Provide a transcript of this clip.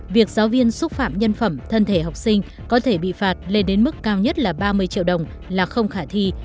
việc giáo viên xúc phạm nhân phẩm thân thể học sinh có thể bị phạt lên đến mức cao nhất là ba mươi triệu đồng là không khả thi